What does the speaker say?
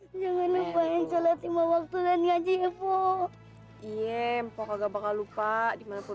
hai jangan lupa yang coba lima waktu dan ngaji evo iya mpok ga bakal lupa dimanapun